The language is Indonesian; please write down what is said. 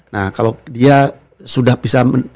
nah kalau dia sudah bisa